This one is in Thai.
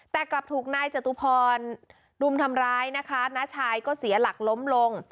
แต่กลับถูกนายจตุพรรุมทำร้ายนะคะน้าชายก็เสียหลักล้มลง